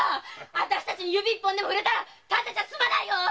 あたしたちに指一本でも触れたらただじゃ済まないよ！